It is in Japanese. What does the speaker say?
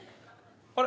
あれ？